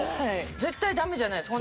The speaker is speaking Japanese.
絶対ダメじゃないですか。